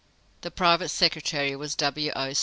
(The private secretary was W. O.